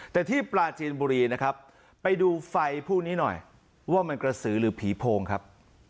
แต่ที่ปลาจีนบุรีนะครับไปดูไฟพวกนี้หน่อยว่ามันกระสือหรือผีโพงครับ